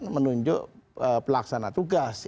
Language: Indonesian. menunjuk pelaksana tugas